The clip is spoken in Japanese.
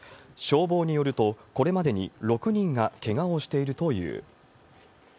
消防によると、これまでに６人がけがをしているという。